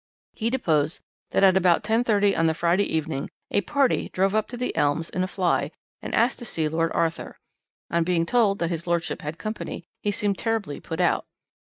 He deposed that at about 10.30 on the Friday evening a 'party' drove up to 'The Elms' in a fly, and asked to see Lord Arthur. On being told that his lordship had company he seemed terribly put out.